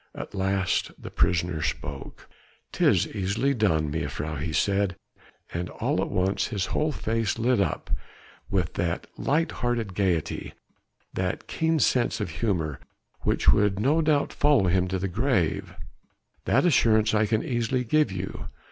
At last the prisoner spoke. "'Tis easily done, mejuffrouw," he said, and all at once his whole face lit up with that light hearted gaiety, that keen sense of humour which would no doubt follow him to the grave, "that assurance I can easily give you.